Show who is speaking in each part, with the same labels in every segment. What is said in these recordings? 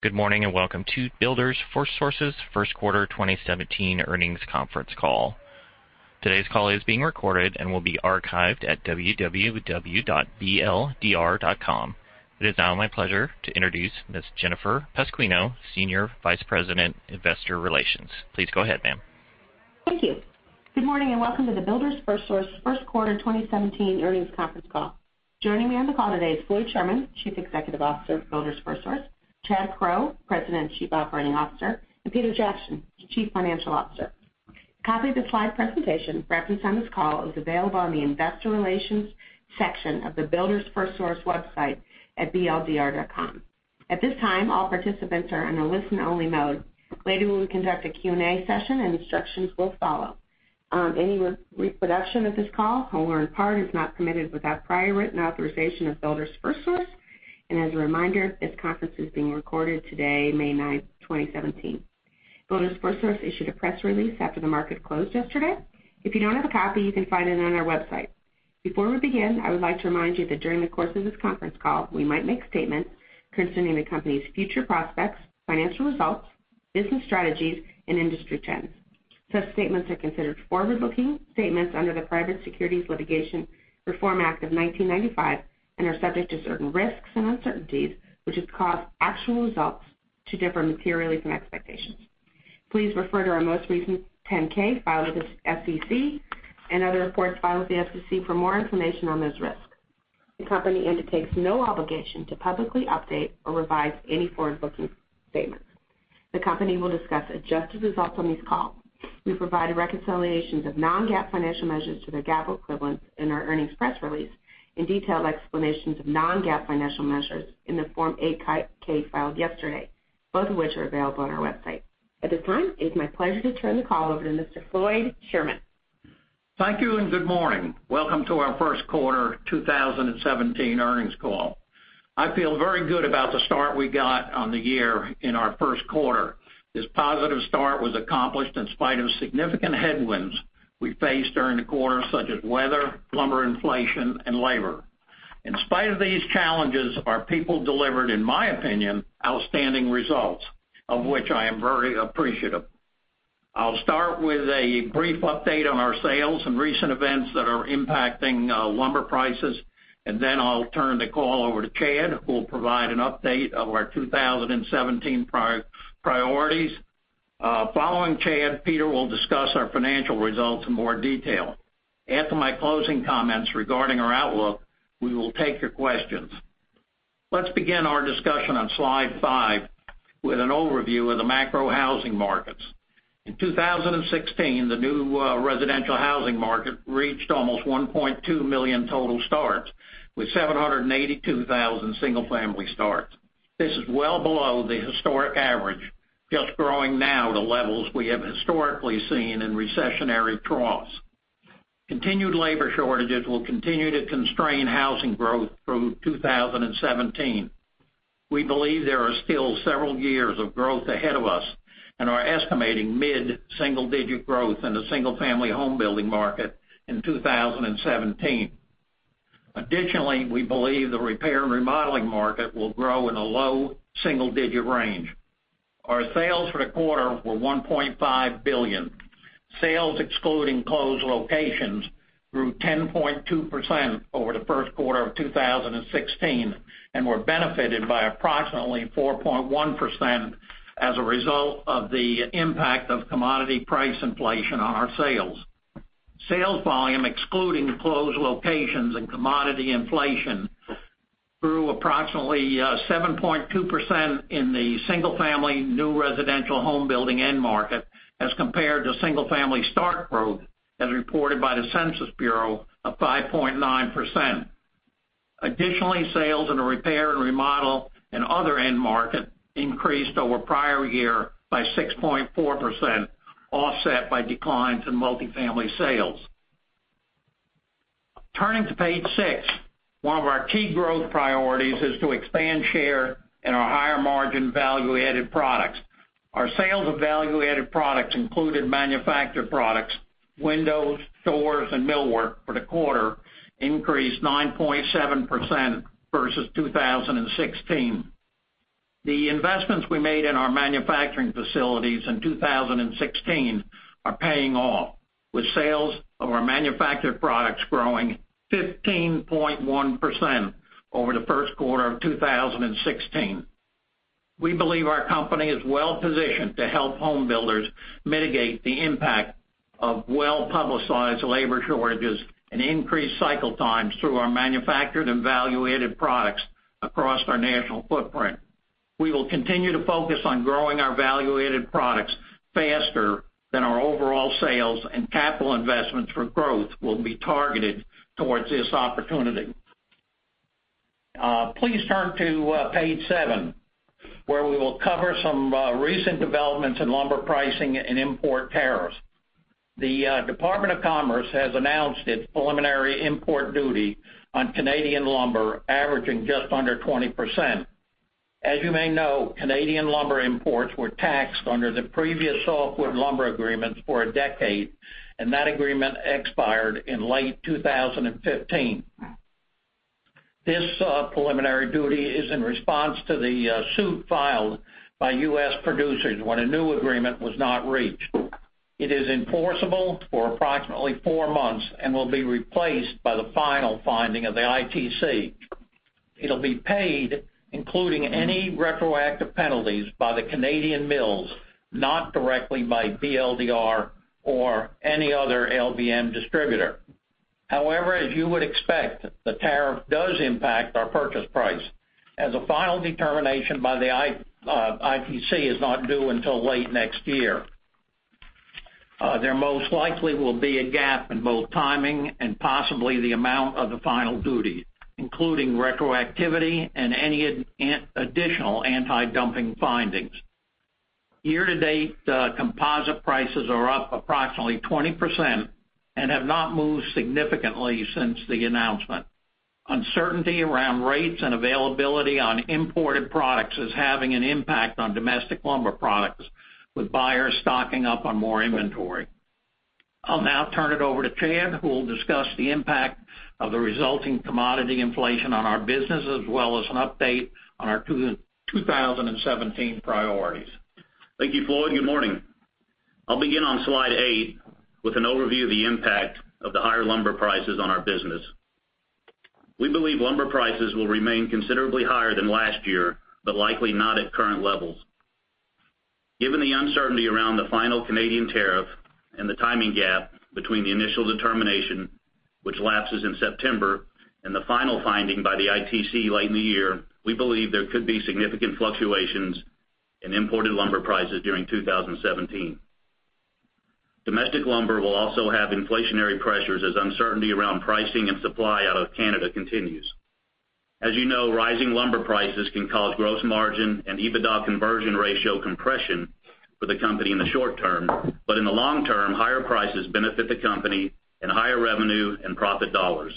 Speaker 1: Good morning and welcome to Builders FirstSource's first quarter 2017 earnings conference call. Today's call is being recorded and will be archived at www.bldr.com. It is now my pleasure to introduce Ms. Jennifer Pasquino, Senior Vice President, Investor Relations. Please go ahead, ma'am.
Speaker 2: Thank you. Good morning and welcome to the Builders FirstSource first quarter 2017 earnings conference call. Joining me on the call today is Floyd Sherman, Chief Executive Officer of Builders FirstSource, Chad Crow, President and Chief Operating Officer, and Peter Jackson, Chief Financial Officer. A copy of the slide presentation referenced on this call is available on the investor relations section of the Builders FirstSource website at bldr.com. At this time, all participants are in a listen-only mode. Later, we will conduct a Q&A session, instructions will follow. Any reproduction of this call, whole or in part, is not permitted without prior written authorization of Builders FirstSource. As a reminder, this conference is being recorded today, May 9th, 2017. Builders FirstSource issued a press release after the market closed yesterday. If you don't have a copy, you can find it on our website. Before we begin, I would like to remind you that during the course of this conference call, we might make statements concerning the company's future prospects, financial results, business strategies, and industry trends. Such statements are considered forward-looking statements under the Private Securities Litigation Reform Act of 1995 and are subject to certain risks and uncertainties, which could cause actual results to differ materially from expectations. Please refer to our most recent 10-K filed with SEC and other reports filed with the SEC for more information on those risks. The company undertakes no obligation to publicly update or revise any forward-looking statements. The company will discuss adjusted results on this call. We provide reconciliations of non-GAAP financial measures to their GAAP equivalents in our earnings press release and detailed explanations of non-GAAP financial measures in the Form 8-K filed yesterday, both of which are available on our website. At this time, it's my pleasure to turn the call over to Mr. Floyd Sherman.
Speaker 3: Thank you, and good morning. Welcome to our first quarter 2017 earnings call. I feel very good about the start we got on the year in our first quarter. This positive start was accomplished in spite of significant headwinds we faced during the quarter, such as weather, lumber inflation, and labor. In spite of these challenges, our people delivered, in my opinion, outstanding results, of which I am very appreciative. I'll start with a brief update on our sales and recent events that are impacting lumber prices, and then I'll turn the call over to Chad, who will provide an update of our 2017 priorities. Following Chad, Peter will discuss our financial results in more detail. After my closing comments regarding our outlook, we will take your questions. Let's begin our discussion on slide five with an overview of the macro housing markets. In 2016, the new residential housing market reached almost 1.2 million total starts, with 782,000 single-family starts. This is well below the historic average, just growing now to levels we have historically seen in recessionary troughs. Continued labor shortages will continue to constrain housing growth through 2017. We believe there are still several years of growth ahead of us and are estimating mid-single-digit growth in the single-family home building market in 2017. Additionally, we believe the repair and remodeling market will grow in a low single-digit range. Our sales for the quarter were $1.5 billion. Sales excluding closed locations grew 10.2% over the first quarter of 2016 and were benefited by approximately 4.1% as a result of the impact of commodity price inflation on our sales. Sales volume excluding closed locations and commodity inflation grew approximately 7.2% in the single-family new residential home building end market as compared to single-family start growth as reported by the Census Bureau of 5.9%. Additionally, sales in the repair and remodel and other end market increased over prior year by 6.4%, offset by declines in multifamily sales. Turning to page six, one of our key growth priorities is to expand share in our higher-margin value-added products. Our sales of value-added products, including manufactured products, windows, doors, and millwork for the quarter increased 9.7% versus 2016. The investments we made in our manufacturing facilities in 2016 are paying off, with sales of our manufactured products growing 15.1% over the first quarter of 2016. We believe our company is well-positioned to help home builders mitigate the impact of well-publicized labor shortages and increased cycle times through our manufactured and value-added products across our national footprint. We will continue to focus on growing our value-added products faster than our overall sales, and capital investments for growth will be targeted towards this opportunity. Please turn to page seven, where we will cover some recent developments in lumber pricing and import tariffs. The Department of Commerce has announced its preliminary import duty on Canadian lumber averaging just under 20%. As you may know, Canadian lumber imports were taxed under the previous Softwood Lumber Agreements for a decade, and that agreement expired in late 2015. This preliminary duty is in response to the suit filed by U.S. producers when a new agreement was not reached. It is enforceable for approximately four months and will be replaced by the final finding of the ITC. It'll be paid, including any retroactive penalties by the Canadian mills, not directly by BLDR or any other LBM distributor. However as you would expect, the tariff does impact our purchase price. As a final determination by the ITC is not due until late next year, there most likely will be a gap in both timing and possibly the amount of the final duty, including retroactivity and any additional anti-dumping findings. Year-to-date, the composite prices are up approximately 20% and have not moved significantly since the announcement. Uncertainty around rates and availability on imported products is having an impact on domestic lumber products, with buyers stocking up on more inventory. I'll now turn it over to Chad, who will discuss the impact of the resulting commodity inflation on our business, as well as an update on our 2017 priorities.
Speaker 4: Thank you, Floyd. Good morning. I'll begin on slide eight with an overview of the impact of the higher lumber prices on our business. We believe lumber prices will remain considerably higher than last year, likely not at current levels. Given the uncertainty around the final Canadian tariff and the timing gap between the initial determination, which lapses in September, and the final finding by the ITC late in the year, we believe there could be significant fluctuations in imported lumber prices during 2017. Domestic lumber will also have inflationary pressures as uncertainty around pricing and supply out of Canada continues. As you know, rising lumber prices can cause gross margin and EBITDA conversion ratio compression for the company in the short term, in the long term, higher prices benefit the company in higher revenue and profit dollars.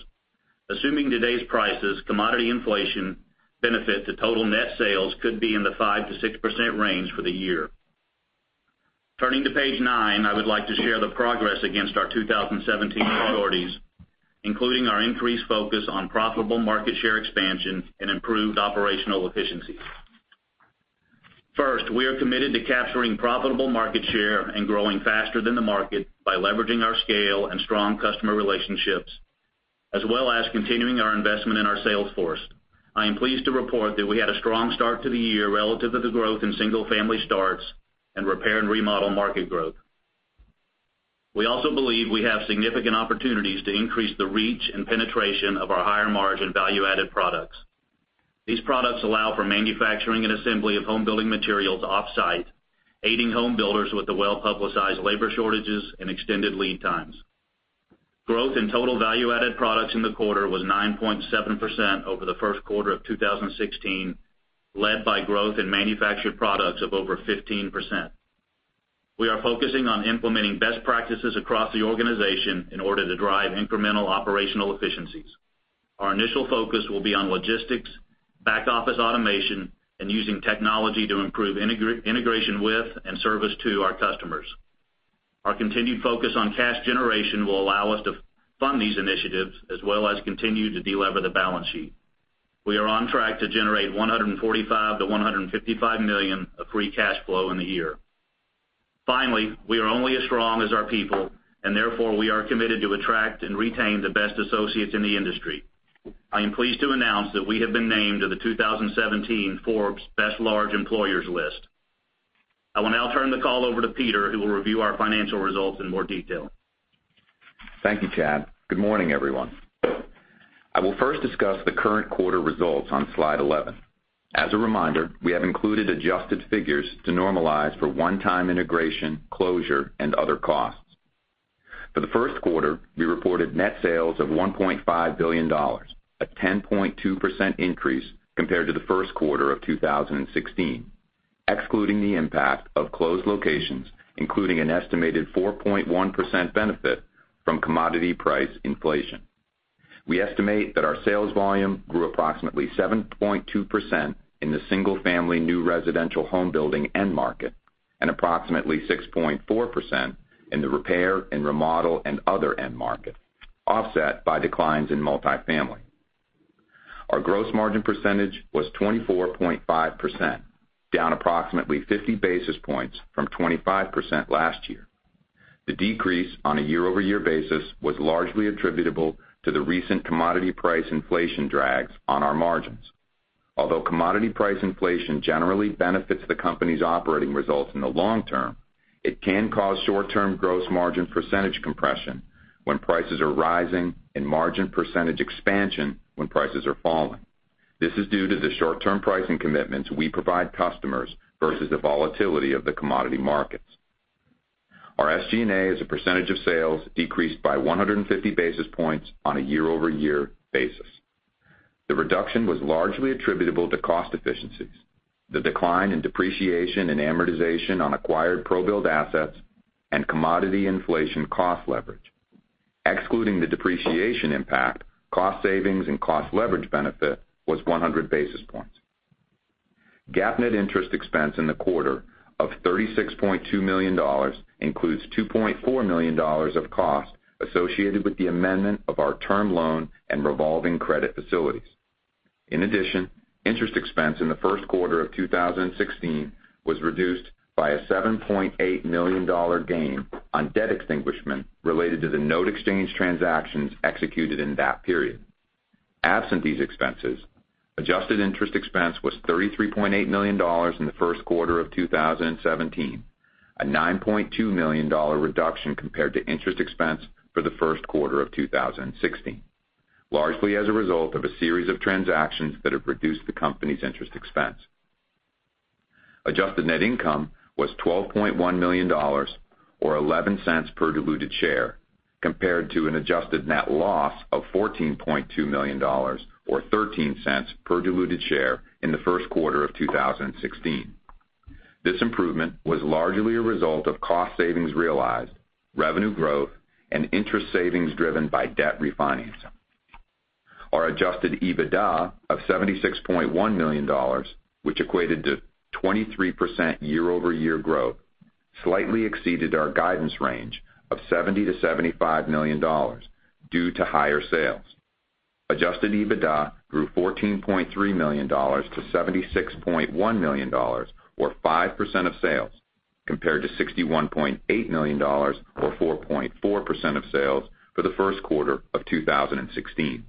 Speaker 4: Assuming today's prices, commodity inflation benefit to total net sales could be in the 5%-6% range for the year. Turning to page nine, I would like to share the progress against our 2017 priorities, including our increased focus on profitable market share expansion and improved operational efficiencies. First, we are committed to capturing profitable market share and growing faster than the market by leveraging our scale and strong customer relationships, as well as continuing our investment in our sales force. I am pleased to report that we had a strong start to the year relative to the growth in single-family starts and repair and remodel market growth. We also believe we have significant opportunities to increase the reach and penetration of our higher margin value-added products. These products allow for manufacturing and assembly of home building materials off-site, aiding home builders with the well-publicized labor shortages and extended lead times. Growth in total value-added products in the quarter was 9.7% over the first quarter of 2016, led by growth in manufactured products of over 15%. We are focusing on implementing best practices across the organization in order to drive incremental operational efficiencies. Our initial focus will be on logistics, back-office automation, and using technology to improve integration with and service to our customers. Our continued focus on cash generation will allow us to fund these initiatives as well as continue to delever the balance sheet. We are on track to generate $145 million-$155 million of free cash flow in the year. Finally, we are only as strong as our people, and therefore, we are committed to attract and retain the best associates in the industry. I am pleased to announce that we have been named to the 2017 Forbes Best Large Employers list. I will now turn the call over to Peter, who will review our financial results in more detail.
Speaker 5: Thank you, Chad. Good morning, everyone. I will first discuss the current quarter results on slide 11. As a reminder, we have included adjusted figures to normalize for one-time integration, closure, and other costs. For the first quarter, we reported net sales of $1.5 billion, a 10.2% increase compared to the first quarter of 2016, excluding the impact of closed locations, including an estimated 4.1% benefit from commodity price inflation. We estimate that our sales volume grew approximately 7.2% in the single family new residential home building end market and approximately 6.4% in the repair and remodel and other end market, offset by declines in multifamily. Our gross margin percentage was 24.5%, down approximately 50 basis points from 25% last year. The decrease on a year-over-year basis was largely attributable to the recent commodity price inflation drags on our margins. Although commodity price inflation generally benefits the company's operating results in the long term, it can cause short-term gross margin percentage compression when prices are rising and margin percentage expansion when prices are falling. This is due to the short-term pricing commitments we provide customers versus the volatility of the commodity markets. Our SG&A as a percentage of sales decreased by 150 basis points on a year-over-year basis. The reduction was largely attributable to cost efficiencies, the decline in depreciation and amortization on acquired ProBuild assets, and commodity inflation cost leverage. Excluding the depreciation impact, cost savings and cost leverage benefit was 100 basis points. GAAP net interest expense in the quarter of $36.2 million includes $2.4 million of costs associated with the amendment of our term loan and revolving credit facilities. In addition, interest expense in the first quarter of 2016 was reduced by a $7.8 million gain on debt extinguishment related to the note exchange transactions executed in that period. Absent these expenses, adjusted interest expense was $33.8 million in the first quarter of 2017, a $9.2 million reduction compared to interest expense for the first quarter of 2016, largely as a result of a series of transactions that have reduced the company's interest expense. Adjusted net income was $12.1 million or $0.11 per diluted share, compared to an adjusted net loss of $14.2 million or $0.13 per diluted share in the first quarter of 2016. This improvement was largely a result of cost savings realized, revenue growth and interest savings driven by debt refinancing. Our adjusted EBITDA of $76.1 million, which equated to 23% year-over-year growth, slightly exceeded our guidance range of $70 million-$75 million due to higher sales. Adjusted EBITDA grew $14.3 million-$76.1 million or 5% of sales, compared to $61.8 million or 4.4% of sales for the first quarter of 2016.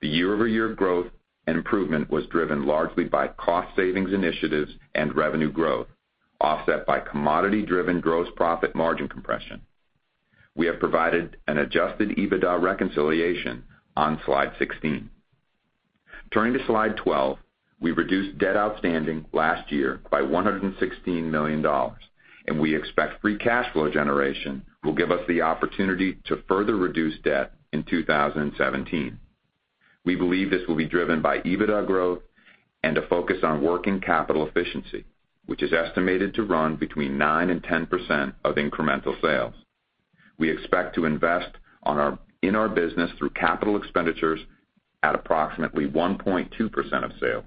Speaker 5: The year-over-year growth and improvement was driven largely by cost savings initiatives and revenue growth, offset by commodity-driven gross profit margin compression. We have provided an adjusted EBITDA reconciliation on slide 16. Turning to slide 12, we reduced debt outstanding last year by $116 million, and we expect free cash flow generation will give us the opportunity to further reduce debt in 2017. We believe this will be driven by EBITDA growth and a focus on working capital efficiency, which is estimated to run between 9% and 10% of incremental sales. We expect to invest in our business through capital expenditures at approximately 1.2% of sales.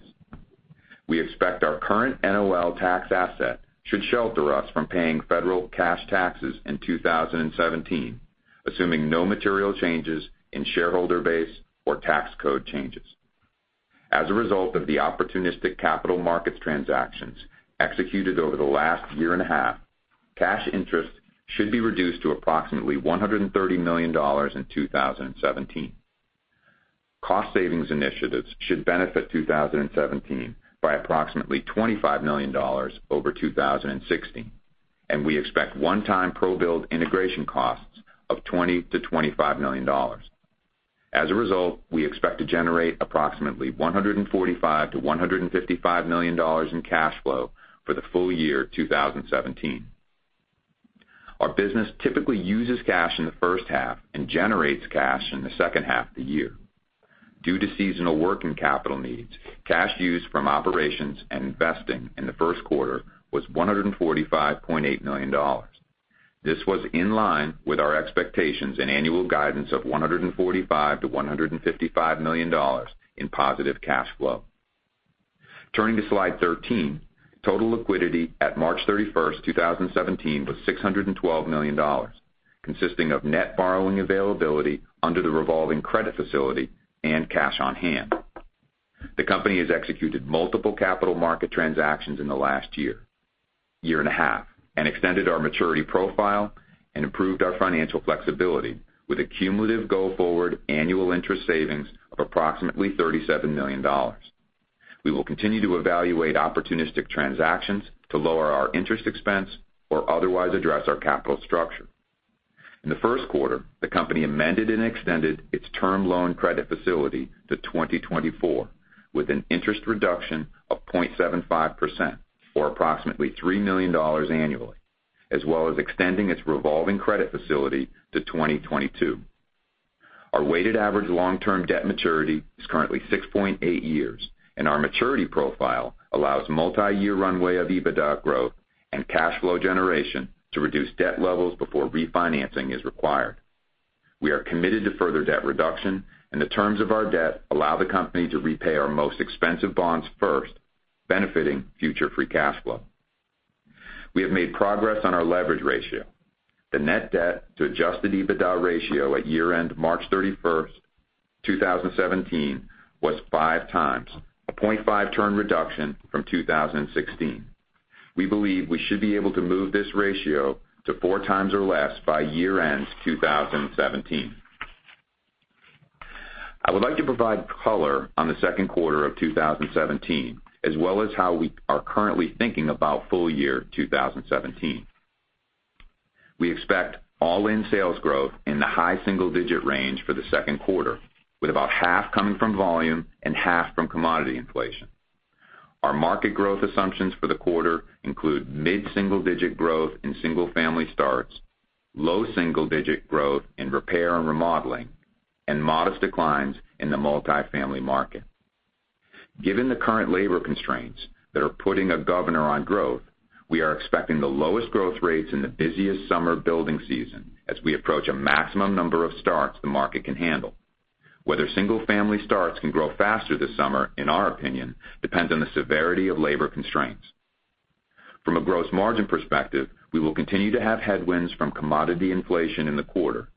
Speaker 5: We expect our current NOL tax asset should shelter us from paying federal cash taxes in 2017, assuming no material changes in shareholder base or tax code changes. As a result of the opportunistic capital markets transactions executed over the last year and a half, cash interest should be reduced to approximately $130 million in 2017. Cost savings initiatives should benefit 2017 by approximately $25 million over 2016, and we expect one-time ProBuild integration costs of $20 million-$25 million. As a result, we expect to generate approximately $145 million-$155 million in cash flow for the full year 2017. Our business typically uses cash in the first half and generates cash in the second half of the year. Due to seasonal working capital needs, cash used from operations and investing in the first quarter was $145.8 million. This was in line with our expectations and annual guidance of $145 million-$155 million in positive cash flow. Turning to slide 13, total liquidity at March 31st, 2017 was $612 million, consisting of net borrowing availability under the revolving credit facility and cash on hand. The company has executed multiple capital market transactions in the last year and a half, and extended our maturity profile and improved our financial flexibility with a cumulative go-forward annual interest savings of approximately $37 million. We will continue to evaluate opportunistic transactions to lower our interest expense or otherwise address our capital structure. In the first quarter, the company amended and extended its term loan credit facility to 2024, with an interest reduction of 0.75% or approximately $3 million annually, as well as extending its revolving credit facility to 2022. Our weighted average long-term debt maturity is currently 6.8 years, and our maturity profile allows multiyear runway of EBITDA growth and cash flow generation to reduce debt levels before refinancing is required. We are committed to further debt reduction, and the terms of our debt allow the company to repay our most expensive bonds first, benefiting future free cash flow. We have made progress on our leverage ratio. The net debt to adjusted EBITDA ratio at year-end March 31st, 2017 was 5x, a 0.5 turn reduction from 2016. We believe we should be able to move this ratio to 4x or less by year-ends 2017. I would like to provide color on the second quarter of 2017, as well as how we are currently thinking about full year 2017. We expect all-in sales growth in the high single-digit range for the second quarter, with about half coming from volume and half from commodity inflation. Our market growth assumptions for the quarter include mid-single digit growth in single-family starts, low single-digit growth in repair and remodeling, and modest declines in the multifamily market. Given the current labor constraints that are putting a governor on growth, we are expecting the lowest growth rates in the busiest summer building season as we approach a maximum number of starts the market can handle. Whether single-family starts can grow faster this summer, in our opinion, depends on the severity of labor constraints. From a gross margin perspective, we will continue to have headwinds from commodity inflation in the quarter,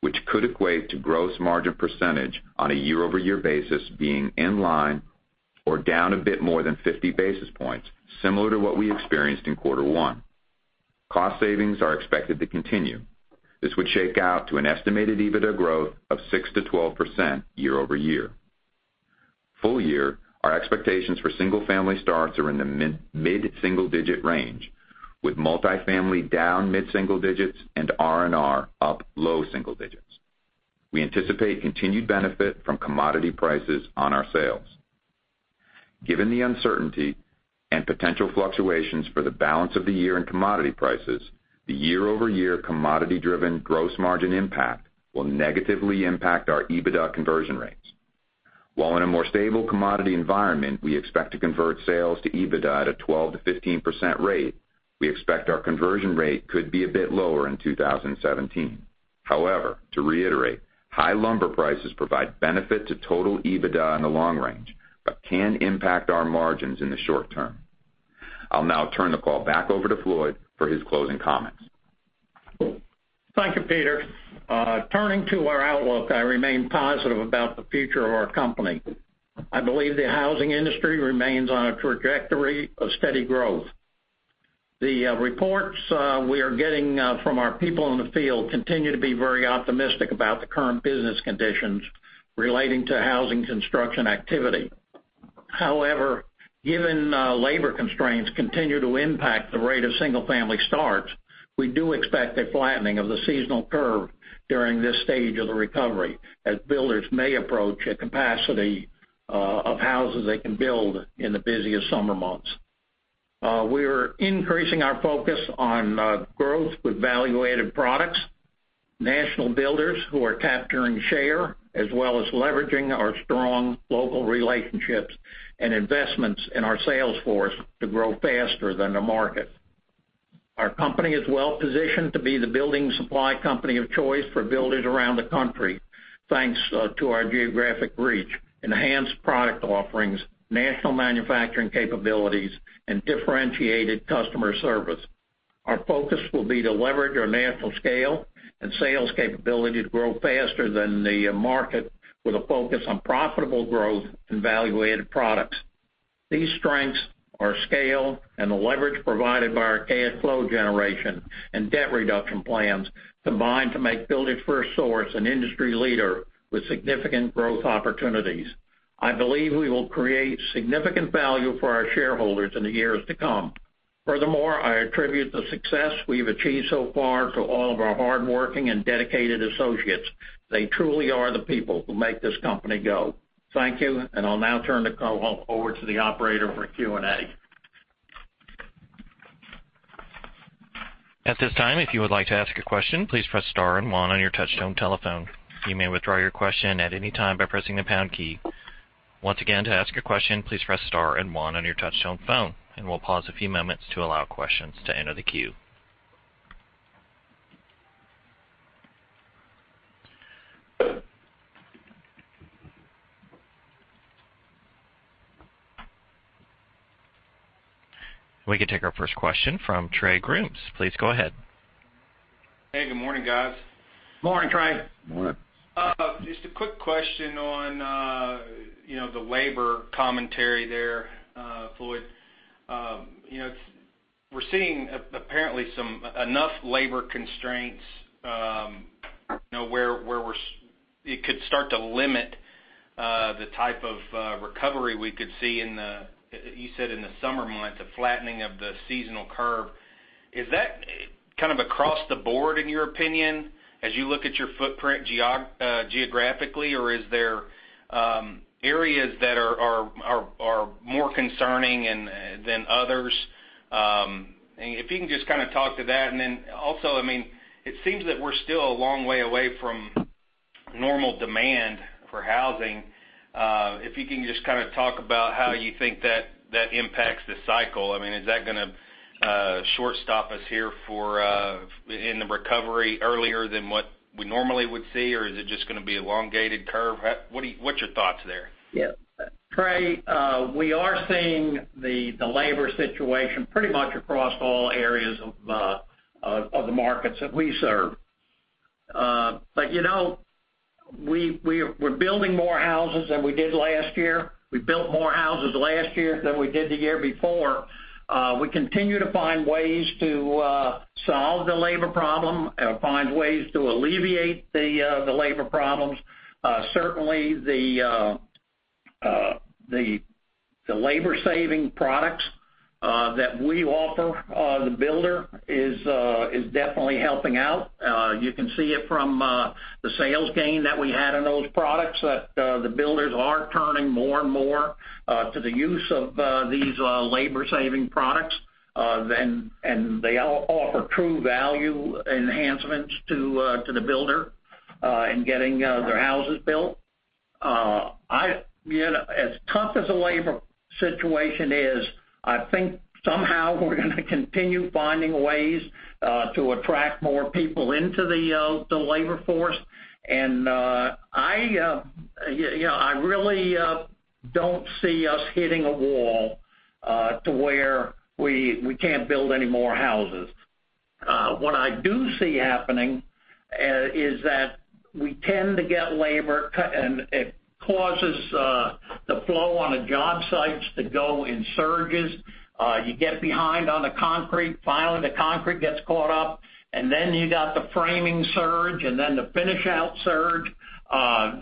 Speaker 5: which could equate to gross margin percentage on a year-over-year basis being in line or down a bit more than 50 basis points, similar to what we experienced in quarter one. Cost savings are expected to continue. This would shake out to an estimated EBITDA growth of 6%-12% year-over-year. Full year, our expectations for single-family starts are in the mid-single-digit range, with multi-family down mid-single-digits and R&R up low-single-digits. We anticipate continued benefit from commodity prices on our sales. Given the uncertainty and potential fluctuations for the balance of the year in commodity prices, the year-over-year commodity-driven gross margin impact will negatively impact our EBITDA conversion rates. While in a more stable commodity environment, we expect to convert sales to EBITDA at a 12%-15% rate, we expect our conversion rate could be a bit lower in 2017. However, to reiterate, high lumber prices provide benefit to total EBITDA in the long range, but can impact our margins in the short term. I'll now turn the call back over to Floyd for his closing comments.
Speaker 3: Thank you, Peter. Turning to our outlook, I remain positive about the future of our company. I believe the housing industry remains on a trajectory of steady growth. The reports we are getting from our people in the field continue to be very optimistic about the current business conditions relating to housing construction activity. However, given labor constraints continue to impact the rate of single-family starts, we do expect a flattening of the seasonal curve during this stage of the recovery, as builders may approach a capacity of houses they can build in the busiest summer months. We are increasing our focus on growth with value-added products, national builders who are capturing share, as well as leveraging our strong local relationships and investments in our sales force to grow faster than the market. Our company is well positioned to be the building supply company of choice for builders around the country, thanks to our geographic reach, enhanced product offerings, national manufacturing capabilities, and differentiated customer service. Our focus will be to leverage our national scale and sales capability to grow faster than the market with a focus on profitable growth and value-added products. These strengths are scale and the leverage provided by our cash flow generation and debt reduction plans combined to make Builders FirstSource an industry leader with significant growth opportunities. I believe we will create significant value for our shareholders in the years to come. Furthermore, I attribute the success we've achieved so far to all of our hardworking and dedicated associates. They truly are the people who make this company go. Thank you, and I'll now turn the call over to the operator for Q&A.
Speaker 1: At this time, if you would like to ask your question, please press star and one on your touch tone telephone. You may widraw your question at any time by pressing the pound key. Once again, to ask your question, please press star and one on your touch tone phone and will pause a few minutes to allow questions to end of the queue. We can take our first question from Trey Grooms. Please go ahead.
Speaker 6: Hey, good morning, guys.
Speaker 3: Morning, Trey.
Speaker 5: Morning.
Speaker 6: Just a quick question on, you know, the labor commentary there, Floyd. You know, we're seeing apparently some enough labor constraints, you know, where we're it could start to limit, the type of, recovery we could see in the, you said in the summer months, a flattening of the seasonal curve. Is that kind of across the board, in your opinion, as you look at your footprint geographically, or is there areas that are more concerning than others? If you can just kind of talk to that. Also, I mean, it seems that we're still a long way away from normal demand for housing. If you can just kind of talk about how you think that impacts the cycle. I mean, is that gonna short stop us here for in the recovery earlier than what we normally would see, or is it just gonna be elongated curve? What's your thoughts there?
Speaker 3: Trey, we are seeing the labor situation pretty much across all areas of the markets that we serve. You know, we're building more houses than we did last year. We built more houses last year than we did the year before. We continue to find ways to solve the labor problem, find ways to alleviate the labor problems. Certainly the labor-saving products that we offer, the builder is definitely helping out. You can see it from the sales gain that we had on those products, that the builders are turning more and more to the use of these labor-saving products. They offer true value enhancements to the builder in getting their houses built. I, you know, as tough as the labor situation is, I think somehow we're gonna continue finding ways to attract more people into the labor force. I, you know, I really don't see us hitting a wall to where we can't build any more houses. What I do see happening is that we tend to get labor cut, and it causes the flow on the job sites to go in surges. You get behind on the concrete. Finally, the concrete gets caught up, and then you got the framing surge, and then the finish out surge.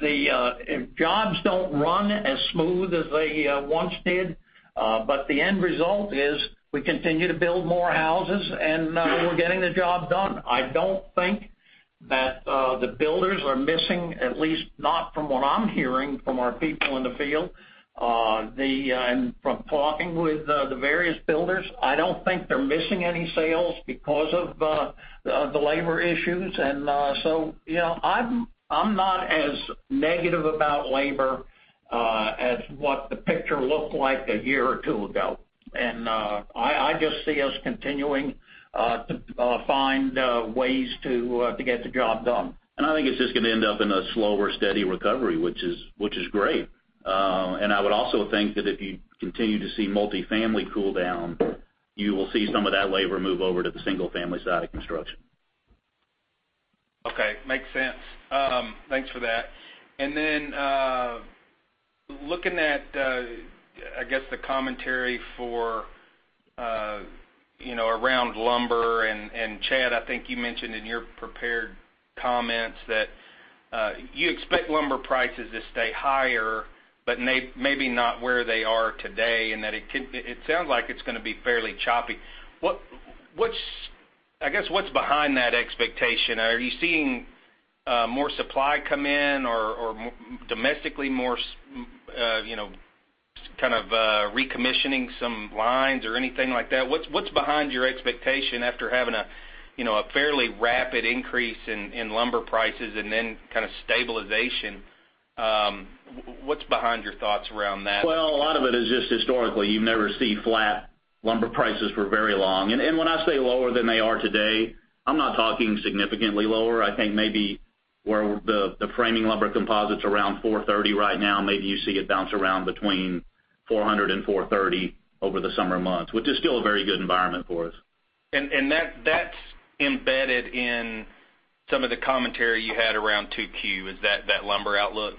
Speaker 3: The jobs don't run as smooth as they once did. The end result is we continue to build more houses, and we're getting the job done. I don't think that the builders are missing, at least not from what I'm hearing from our people in the field. From talking with the various builders, I don't think they're missing any sales because of the labor issues. You know, I'm not as negative about labor as what the picture looked like a year or two ago. I just see us continuing to find ways to get the job done.
Speaker 4: I think it's just going to end up in a slower, steady recovery, which is great. I would also think that if you continue to see multifamily cool down, you will see some of that labor move over to the single-family side of construction.
Speaker 6: Okay. Makes sense. Thanks for that. Then looking at, I guess, the commentary for, you know, around lumber, and Chad, I think you mentioned in your prepared comments that you expect lumber prices to stay higher, but maybe not where they are today, and it sounds like it's gonna be fairly choppy. What, I guess, what's behind that expectation? Are you seeing more supply come in or domestically more, you know, kind of, recommissioning some lines or anything like that? What's behind your expectation after having a, you know, a fairly rapid increase in lumber prices and then kind of stabilization? What's behind your thoughts around that?
Speaker 4: Well, a lot of it is just historically, you never see flat lumber prices for very long. When I say lower than they are today, I'm not talking significantly lower. I think maybe where the framing lumber composite's around $430 right now, maybe you see it bounce around between $400 and $430 over the summer months, which is still a very good environment for us.
Speaker 6: That's embedded in some of the commentary you had around 2Q. Is that that lumber outlook?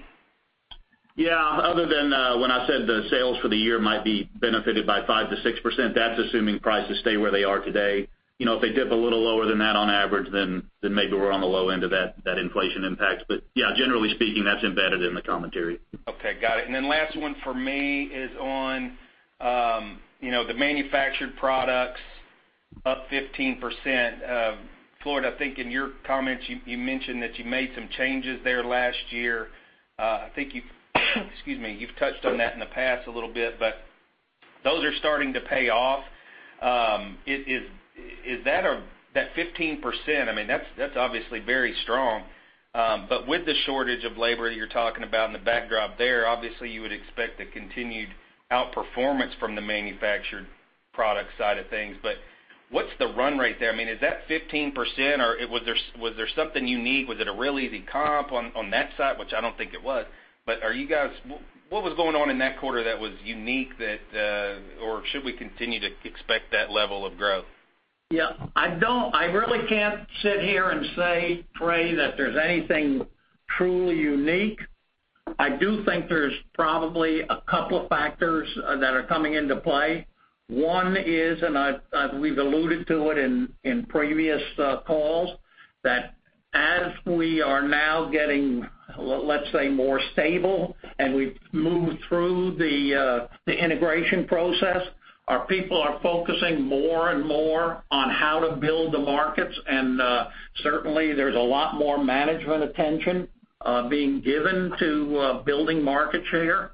Speaker 4: Yeah. Other than, when I said the sales for the year might be benefited by 5%-6%, that's assuming prices stay where they are today. You know, if they dip a little lower than that on average, then maybe we're on the low end of that inflation impact. Yeah, generally speaking, that's embedded in the commentary.
Speaker 6: Okay. Got it. Last one for me is on, you know, the manufactured products up 15%. Floyd, I think in your comments, you mentioned that you made some changes there last year. I think you've, excuse me, you've touched on that in the past a little bit, but those are starting to pay off. Is that a 15%, I mean that's obviously very strong. With the shortage of labor you're talking about in the backdrop there, obviously you would expect a continued outperformance from the manufactured product side of things. What's the run rate there? I mean, is that 15% or was there, was there something unique? Was it a really the comp on that side? Which I don't think it was. Are you guys what was going on in that quarter that was unique that or should we continue to expect that level of growth?
Speaker 3: Yeah. I really can't sit here and say, Trey, that there's anything truly unique. I do think there's probably a couple of factors that are coming into play. One is, and I've we've alluded to it in previous calls, that as we are now getting, let's say, more stable and we've moved through the integration process, our people are focusing more and more on how to build the markets. Certainly there's a lot more management attention being given to building market share.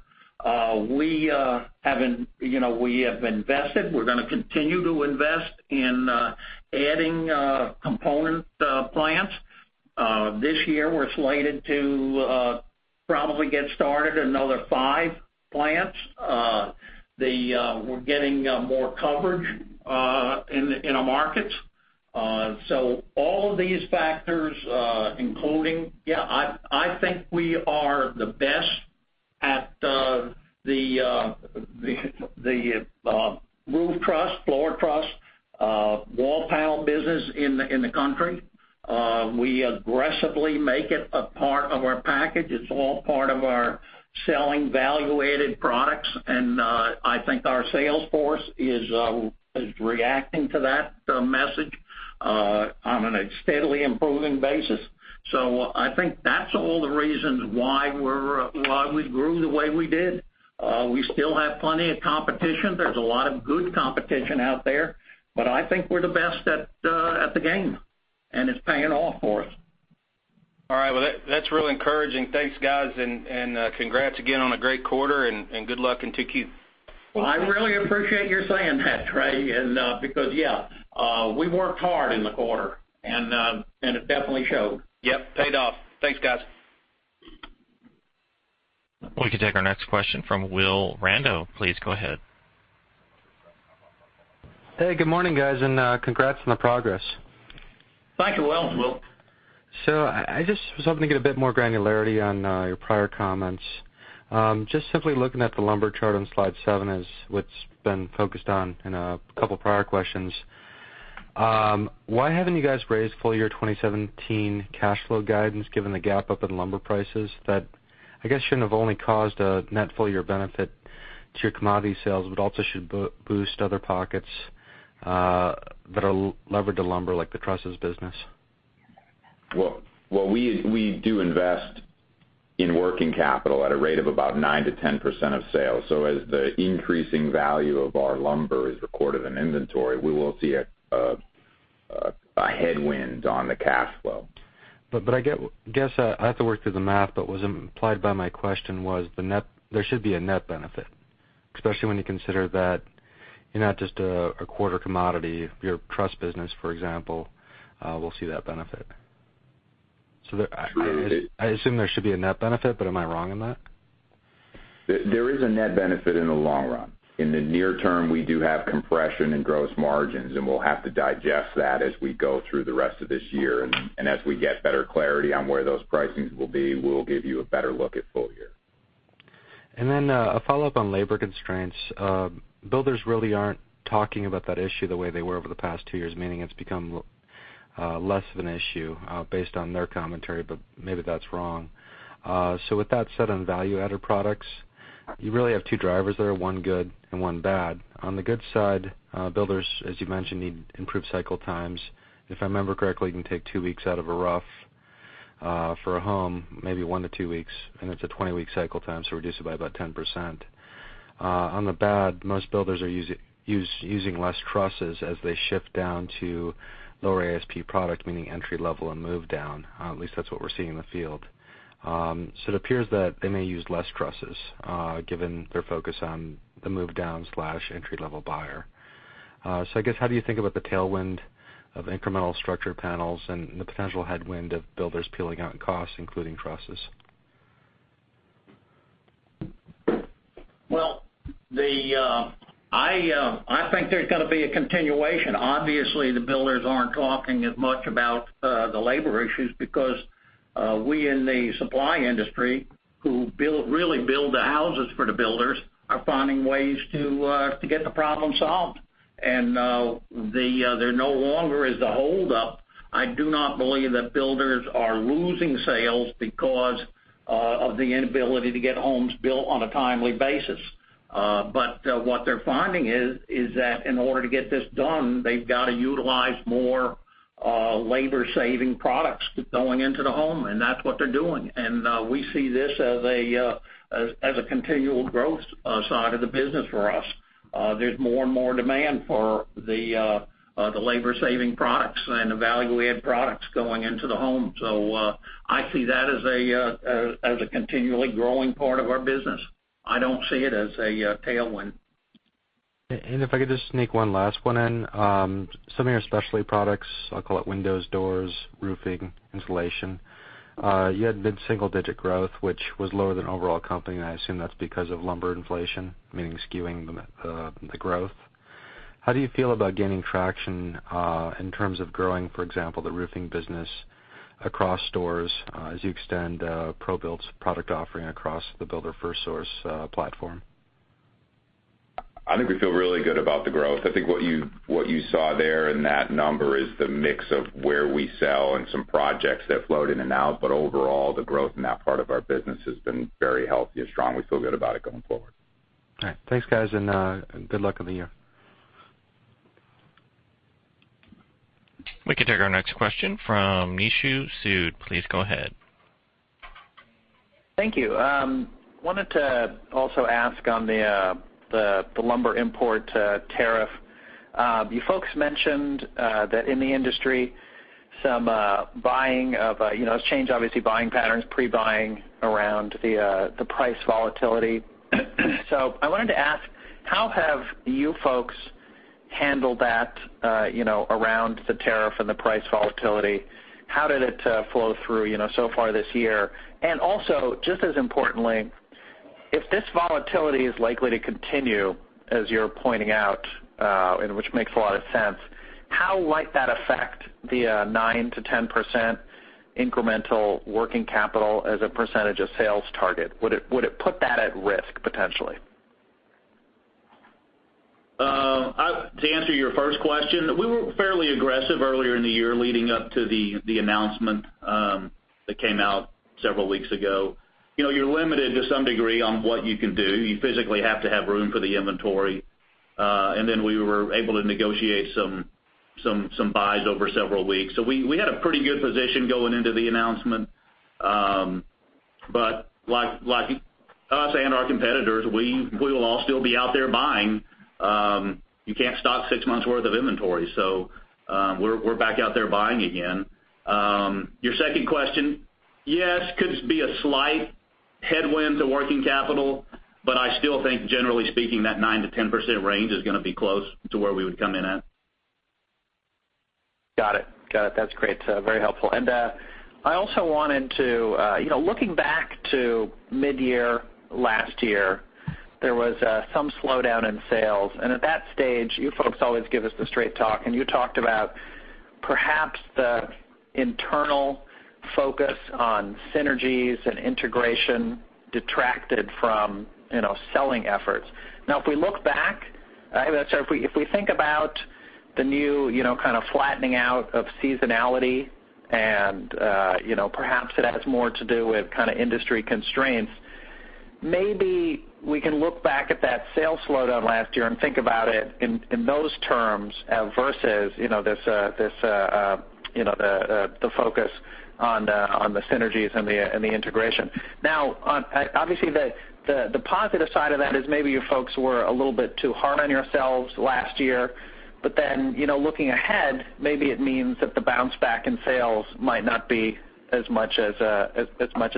Speaker 3: We have been, you know, we have invested. We're gonna continue to invest in adding component plants. This year, we're slated to probably get started another five plants. The we're getting more coverage in our markets. So all of these factors, including I think we are the best at the roof truss, floor truss, wall panel business in the country. We aggressively make it a part of our package. It's all part of our selling value-added products, I think our sales force is reacting to that message on a steadily improving basis. I think that's all the reasons why we're why we grew the way we did. We still have plenty of competition. There's a lot of good competition out there, but I think we're the best at the game, and it's paying off for us.
Speaker 6: All right. Well, that's really encouraging. Thanks, guys, and congrats again on a great quarter, and good luck in 2Q.
Speaker 3: Well, I really appreciate your saying that, Trey, and, because, yeah, we worked hard in the quarter, and, it definitely showed.
Speaker 6: Yep, paid off. Thanks, guys.
Speaker 1: We can take our next question from Will Randow. Please go ahead.
Speaker 7: Hey, good morning, guys, and congrats on the progress.
Speaker 3: Thank you. Well, Will.
Speaker 7: I just was hoping to get a bit more granularity on your prior comments. Just simply looking at the lumber chart on slide seven as what's been focused on in a couple prior questions. Why haven't you guys raised full year 2017 cash flow guidance given the gap up in lumber prices that I guess shouldn't have only caused a net full year benefit to your commodity sales, but also should boost other pockets that are levered to lumber like the trusses business?
Speaker 5: Well, we do invest in working capital at a rate of about 9%-10% of sales. As the increasing value of our lumber is recorded in inventory, we will see a headwind on the cash flow.
Speaker 7: I guess I have to work through the math, but was implied by my question was there should be a net benefit, especially when you consider that you're not just a quarter commodity. Your truss business, for example, will see that benefit. So, I assume there should be a net benefit, but am I wrong in that?
Speaker 5: There is a net benefit in the long run. In the near term, we do have compression in gross margins, and we'll have to digest that as we go through the rest of this year. As we get better clarity on where those pricings will be, we'll give you a better look at full year.
Speaker 7: A follow-up on labor constraints. Builders really aren't talking about that issue the way they were over the past two years, meaning it's become less of an issue, based on their commentary, but maybe that's wrong. With that said, on value-added products, you really have two drivers there, one good and one bad. On the good side, builders, as you mentioned, need improved cycle times. If I remember correctly, you can take two weeks out of a rough, for a home, maybe one to two weeks, and it's a 20-week cycle time, reduce it by about 10%. On the bad, most builders are using less trusses as they shift down to lower ASP product, meaning entry-level and move down. At least that's what we're seeing in the field. It appears that they may use less trusses, given their focus on the move down slash entry-level buyer. How do you think about the tailwind of incremental structure panels and the potential headwind of builders peeling out in costs, including trusses?
Speaker 3: I think there's going to be a continuation. Obviously, the builders aren't talking as much about the labor issues because we in the supply industry who build, really build the houses for the builders are finding ways to get the problem solved. There no longer is a holdup. I do not believe that builders are losing sales because of the inability to get homes built on a timely basis. What they're finding is that in order to get this done, they've got to utilize more labor-saving products going into the home, and that's what they're doing. We see this as a continual growth side of the business for us. There's more and more demand for the labor-saving products and the value-add products going into the home. I see that as a continually growing part of our business. I don't see it as a tailwind.
Speaker 7: If I could just sneak one last one in. Some of your specialty products, I'll call it windows, doors, roofing, insulation. You had mid-single digit growth, which was lower than overall company, and I assume that's because of lumber inflation, meaning skewing the growth. How do you feel about gaining traction in terms of growing, for example, the roofing business across stores, as you extend ProBuild's product offering across the Builders FirstSource platform?
Speaker 5: I think we feel really good about the growth. I think what you saw there in that number is the mix of where we sell and some projects that flowed in and out. Overall, the growth in that part of our business has been very healthy and strong. We feel good about it going forward.
Speaker 7: All right. Thanks, guys, and good luck on the year.
Speaker 1: We can take our next question from Nishu Sood. Please go ahead.
Speaker 8: Thank you. Wanted to also ask on the lumber import tariff. You folks mentioned that in the industry some buying of, you know, it's changed obviously buying patterns, pre-buying around the price volatility. I wanted to ask, how have you folks handled that, you know, around the tariff and the price volatility? How did it flow through, you know, so far this year? Also, just as importantly, if this volatility is likely to continue, as you're pointing out, and which makes a lot of sense, how might that affect the 9%-10% incremental working capital as a percentage of sales target? Would it put that at risk potentially?
Speaker 4: To answer your first question, we were fairly aggressive earlier in the year leading up to the announcement that came out several weeks ago. You know, you're limited to some degree on what you can do. You physically have to have room for the inventory. Then we were able to negotiate some buys over several weeks. We had a pretty good position going into the announcement. Like us and our competitors, we will all still be out there buying. You can't stock six months worth of inventory, we're back out there buying again. Your second question, yes, could be a slight headwind to working capital, I still think generally speaking, that 9%-10% range is gonna be close to where we would come in at.
Speaker 8: Got it. Got it. That's great. Very helpful. I also wanted to, you know, looking back to mid-year last year, there was some slowdown in sales. At that stage, you folks always give us the straight talk, and you talked about perhaps the internal focus on synergies and integration detracted from, you know, selling efforts. If we look back, sorry, if we think about the new, you know, kind of flattening out of seasonality, you know, perhaps it has more to do with kind of industry constraints, maybe we can look back at that sales slowdown last year and think about it in those terms, versus, you know, this, uh, you know, the focus on the synergies and the integration. Now obviously, the positive side of that is maybe you folks were a little bit too hard on yourselves last year. You know, looking ahead, maybe it means that the bounce back in sales might not be as much as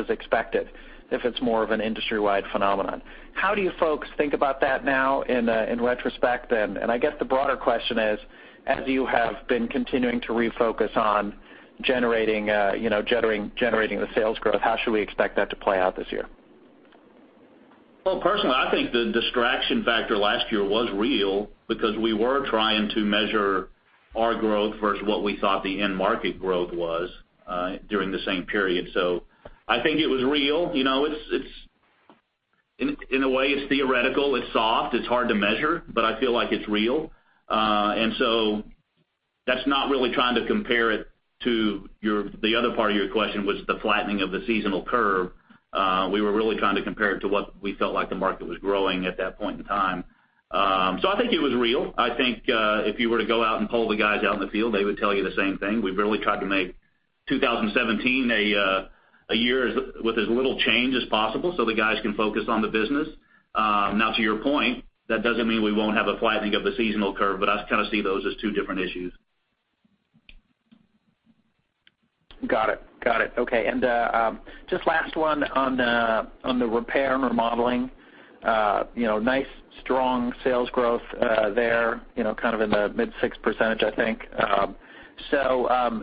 Speaker 8: expected if it's more of an industry-wide phenomenon. How do you folks think about that now in retrospect? I guess the broader question is, as you have been continuing to refocus on generating, you know, generating the sales growth, how should we expect that to play out this year?
Speaker 4: Well, personally, I think the distraction factor last year was real because we were trying to measure our growth versus what we thought the end market growth was during the same period. I think it was real. You know, it's in a way, it's theoretical, it's soft, it's hard to measure, but I feel like it's real. That's not really trying to compare it to the other part of your question was the flattening of the seasonal curve. We were really trying to compare it to what we felt like the market was growing at that point in time. I think it was real. I think, if you were to go out and poll the guys out in the field, they would tell you the same thing. We've really tried to make 2017 a year with as little change as possible so the guys can focus on the business. To your point, that doesn't mean we won't have a flattening of the seasonal curve, but I kind of see those as two different issues.
Speaker 8: Got it. Got it. Okay. Just last one on the repair and remodeling. You know, nice strong sales growth there, you know, kind of in the mid 6%, I think.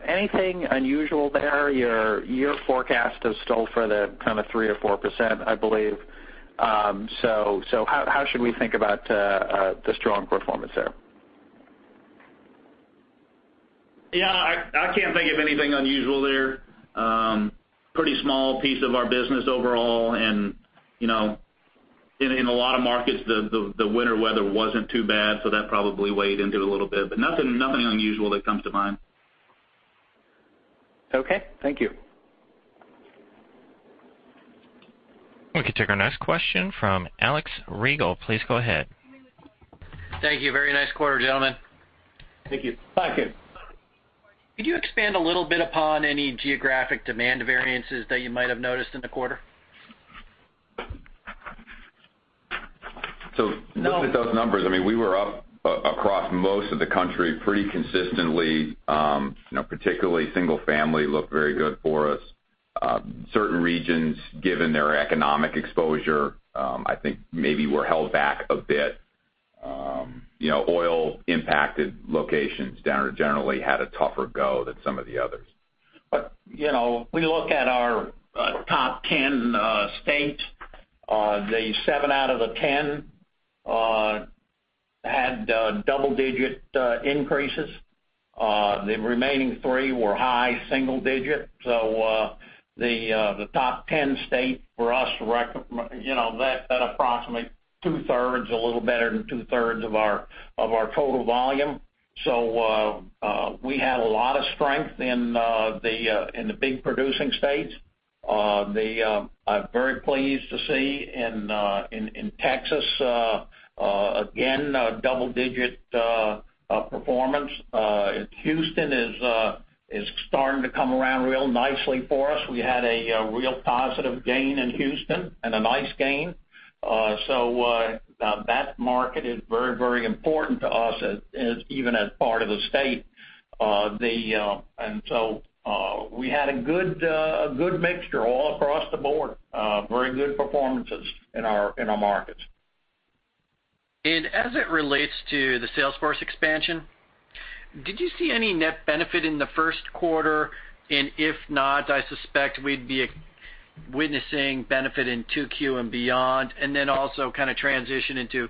Speaker 8: Anything unusual there? Your year forecast is still for the kind of 3%-4%, I believe. How should we think about the strong performance there?
Speaker 4: I can't think of anything unusual there. Pretty small piece of our business overall and, you know, in a lot of markets, the winter weather wasn't too bad, so that probably weighed into it a little bit. Nothing unusual that comes to mind.
Speaker 8: Okay, thank you.
Speaker 1: We can take our next question from Alex Rygiel. Please go ahead.
Speaker 9: Thank you. Very nice quarter, gentlemen.
Speaker 4: Thank you.
Speaker 3: Thank you.
Speaker 9: Could you expand a little bit upon any geographic demand variances that you might have noticed in the quarter?
Speaker 5: Looking at those numbers, I mean, we were up across most of the country pretty consistently. You know, particularly single family looked very good for us. Certain regions, given their economic exposure, I think maybe were held back a bit. You know, oil impacted locations down generally had a tougher go than some of the others.
Speaker 3: You know, if we look at our top 10 states, the seven out of the 10 had double-digit increases. The remaining three were high single digit. The top 10 states for us, you know, that approximately 2/3, a little better than 2/3 of our total volume. We had a lot of strength in the big producing states. I'm very pleased to see in Texas again, a double-digit performance. Houston is starting to come around real nicely for us. We had a real positive gain in Houston and a nice gain. That market is very, very important to us as even as part of the state. We had a good, a good mixture all across the board, very good performances in our, in our markets.
Speaker 9: As it relates to the sales force expansion, did you see any net benefit in the first quarter? If not, I suspect we'd be witnessing benefit in 2Q and beyond. Also kind of transition into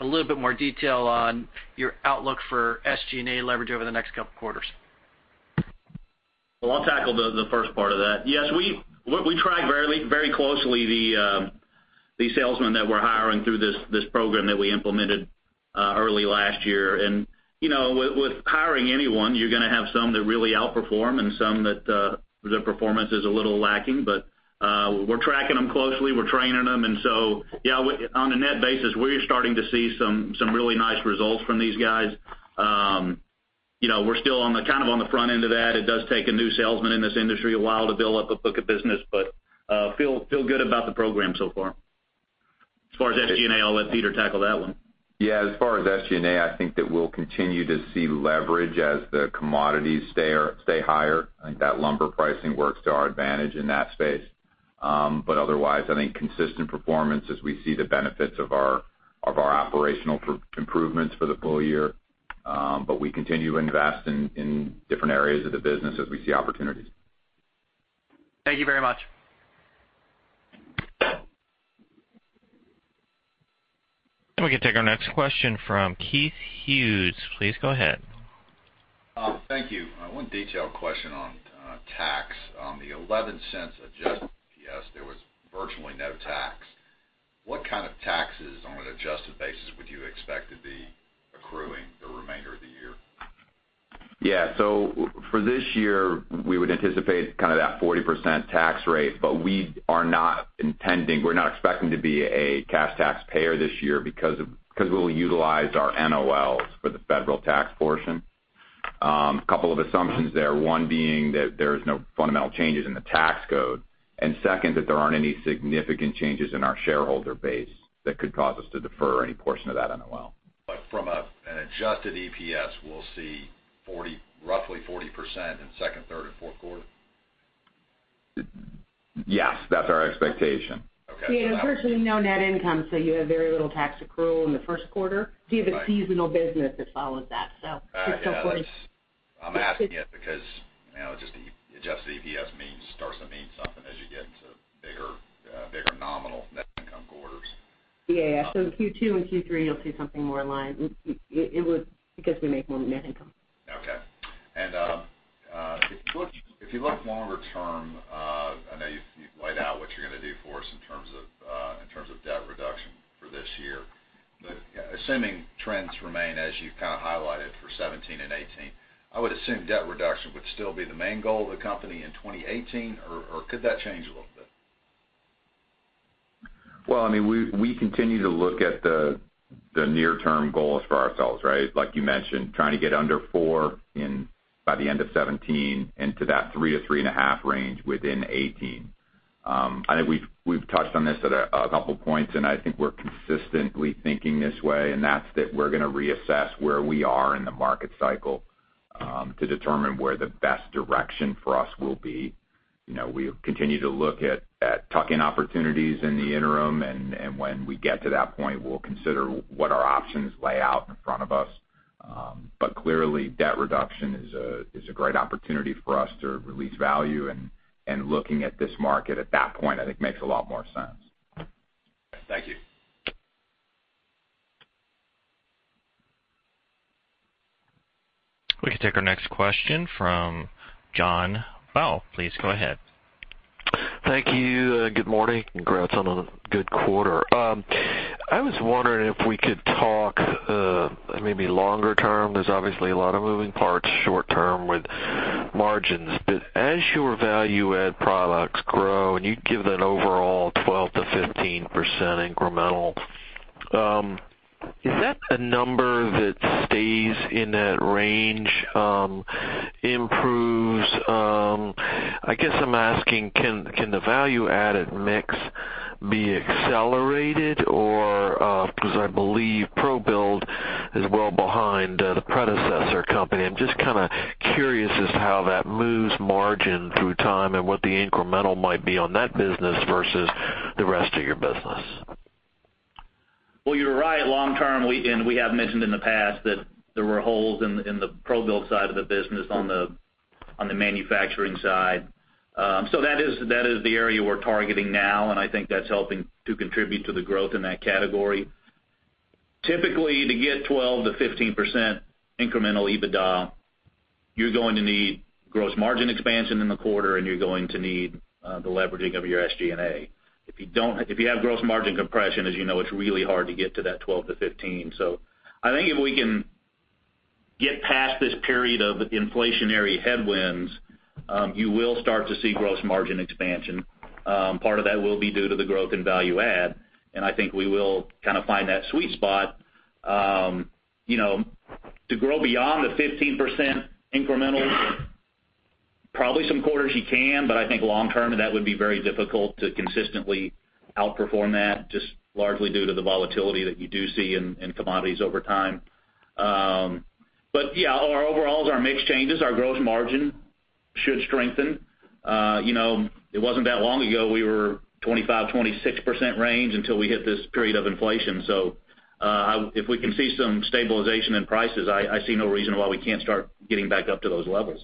Speaker 9: a little bit more detail on your outlook for SG&A leverage over the next couple quarters.
Speaker 4: I'll tackle the first part of that. Yes, we track very, very closely the salesmen that we're hiring through this program that we implemented early last year. You know, with hiring anyone, you're gonna have some that really outperform and some that their performance is a little lacking. We're tracking them closely. We're training them. On a net basis, we're starting to see some really nice results from these guys. You know, we're still on the kind of on the front end of that. It does take a new salesman in this industry a while to build up a book of business, feel good about the program so far. As far as SG&A, I'll let Peter tackle that one.
Speaker 5: Yeah, as far as SG&A, I think that we'll continue to see leverage as the commodities stay higher. I think that lumber pricing works to our advantage in that space. Otherwise, I think consistent performance as we see the benefits of our operational improvements for the full year. We continue to invest in different areas of the business as we see opportunities.
Speaker 9: Thank you very much.
Speaker 1: We can take our next question from Keith Hughes. Please go ahead.
Speaker 10: Thank you. One detailed question on tax. On the $0.11 adjusted EPS, there was virtually no tax. What kind of taxes on an adjusted basis would you expect to be accruing the remainder of the year?
Speaker 5: For this year, we would anticipate kind of that 40% tax rate, but we are not intending, we're not expecting to be a cash taxpayer this year because we'll utilize our NOLs for the federal tax portion. A couple of assumptions there. One being that there's no fundamental changes in the tax code, and second, that there aren't any significant changes in our shareholder base that could cause us to defer any portion of that NOL.
Speaker 10: From an adjusted EPS, we'll see roughly 40% in second, third and fourth quarter?
Speaker 5: Yes, that's our expectation.
Speaker 10: Okay.
Speaker 2: Yeah, virtually no net income, so you have very little tax accrual in the first quarter.
Speaker 5: Right.
Speaker 2: You have a seasonal business that follows that. It's still 40.
Speaker 10: I'm asking it because, you know, just the adjusted EPS starts to mean something as you get into bigger nominal net income quarters.
Speaker 2: Yeah. Q2 and Q3, you'll see something more in line. Because we make more net income.
Speaker 10: Okay. If you look longer term, I know you've laid out what you're gonna do for us in terms of debt reduction for this year. Assuming trends remain as you've kind of highlighted for 17 and 18, I would assume debt reduction would still be the main goal of the company in 2018, or could that change a little bit?
Speaker 5: Well, I mean, we continue to look at the near-term goals for ourselves, right? Like you mentioned, trying to get under four in, by the end of 2017 into that 3-3.5 range within 2018. I think we've touched on this at a couple of points, and I think we're consistently thinking this way, and that's that we're gonna reassess where we are in the market cycle to determine where the best direction for us will be. You know, we'll continue to look at tuck-in opportunities in the interim, and when we get to that point, we'll consider what our options lay out in front of us. Clearly, debt reduction is a great opportunity for us to release value and looking at this market at that point, I think makes a lot more sense.
Speaker 10: Thank you.
Speaker 1: We can take our next question from John Lovallo. Please go ahead.
Speaker 11: Thank you. Good morning. Congrats on a good quarter. I was wondering if we could talk maybe longer term. There's obviously a lot of moving parts short term with margins. As your value-add products grow, and you give that overall 12%-15% incremental, is that a number that stays in that range, improves? I guess I'm asking, can the value-added mix be accelerated or because I believe ProBuild is well behind the predecessor company. I'm just kind of curious as to how that moves margin through time and what the incremental might be on that business versus the rest of your business.
Speaker 4: Well, you're right. Long term, we have mentioned in the past that there were holes in the, in the ProBuild side of the business on the, on the manufacturing side. So that is the area we're targeting now, and I think that's helping to contribute to the growth in that category. Typically, to get 12%-15% incremental EBITDA, you're going to need gross margin expansion in the quarter, and you're going to need the leveraging of your SG&A. If you have gross margin compression, as you know, it's really hard to get to that 12%-15%. I think if we can get past this period of inflationary headwinds, you will start to see gross margin expansion. Part of that will be due to the growth in value add. I think we will kind of find that sweet spot. You know, to grow beyond the 15% incremental, probably some quarters you can. I think long term, that would be very difficult to consistently outperform that, just largely due to the volatility that you do see in commodities over time. Yeah, our overalls, our mix changes, our gross margin should strengthen. You know, it wasn't that long ago, we were 25%, 26% range until we hit this period of inflation. If we can see some stabilization in prices, I see no reason why we can't start getting back up to those levels.